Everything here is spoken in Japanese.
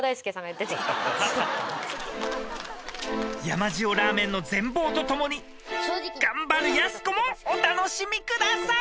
［山塩ラーメンの全貌と共に頑張るやす子もお楽しみください］